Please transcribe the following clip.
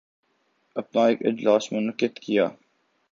اپنا ایک اجلاس منعقد کیا